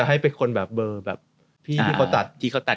พี่เขาตัด